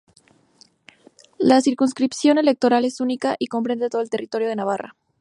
La circunscripción electoral es única y comprende todo el territorio de Navarra.